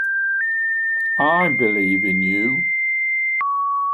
I believe in you.